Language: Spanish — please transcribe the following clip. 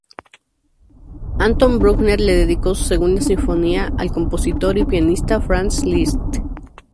Anton Bruckner le dedicó su segunda sinfonía al compositor y pianista Franz Liszt.